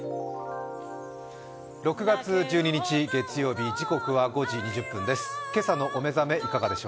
６月１２日月曜日、時刻は５時２０分です。